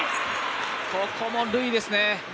ここもルイですね。